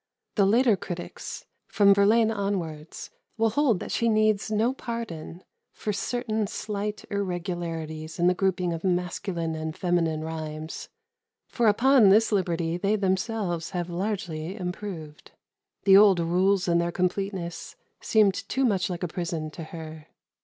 The later critics from Verlaine onwards will hold that she needs no pardon for certain slight irregularities in the grouping of masculine and feminine rhymes, for upon this liberty they themselves have largely improved. The old rules in their completeness seemed too much like a prison to her.